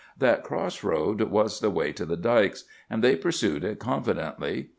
"'That cross road was the way to the dikes, and they pursued it confidently.